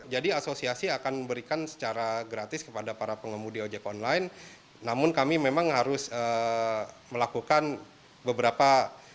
jadi asosiasi akan memberikan secara gratis kepada para pengumudi ojek online namun kami memang harus melakukan beberapa